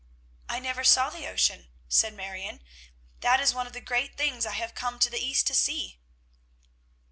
"I never saw the ocean," said Marion. "That is one of the great things I have come to the East to see."